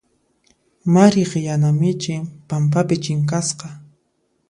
Mariq yana michin pampapi chinkasqa.